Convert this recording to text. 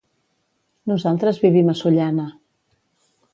Nosaltres vivim a Sollana.